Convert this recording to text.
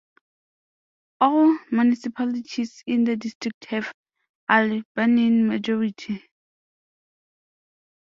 All municipalities in the district have Albanian majority.